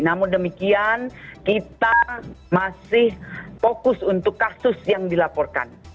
namun demikian kita masih fokus untuk kasus yang dilaporkan